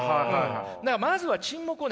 だからまずは沈黙をね